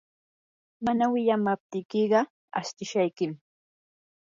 mana wiyamaptiykiqa astishaykim.